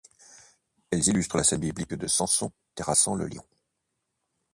Elles illustrent la scène biblique de Samson terrassant le lion.